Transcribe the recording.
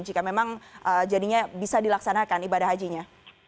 jika memang jadinya bisa dilaksanakan ibadah hajinya